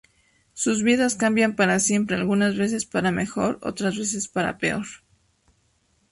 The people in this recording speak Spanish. Sus vidas cambian para siempre, algunas veces para mejor, otras veces para peor.